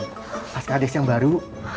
pak srogi yang baru